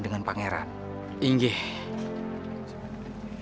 dan pangeran ingin